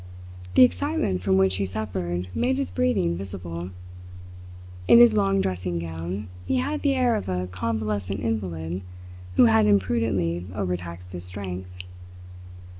The excitement from which he suffered made his breathing visible. In his long dressing gown he had the air of a convalescent invalid who had imprudently overtaxed his strength.